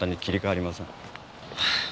はあ。